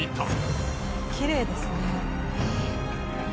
きれいですね。